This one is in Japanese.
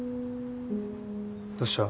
どうした？